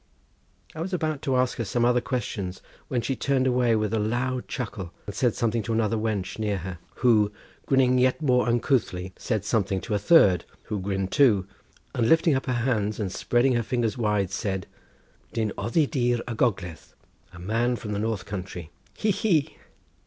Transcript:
I was about to ask her some other question when she turned away with a loud chuckle, and said something to another wench near her, who grinning yet more uncouthly, said something to a third, who grinned too, and lifting up her hands and spreading her fingers wide said: "Dyn oddi dir y Gogledd—a man from the north country, hee, hee!"